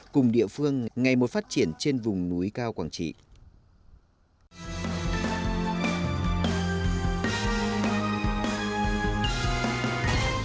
cùng địa phương ngày mùa phát triển trên vùng núi cao quảng trịnh